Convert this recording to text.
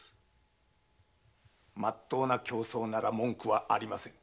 まっとうな競争なら文句はありません。